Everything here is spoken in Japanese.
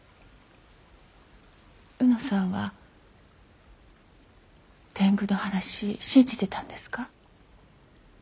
卯之さんは天狗の話信じてたんですか？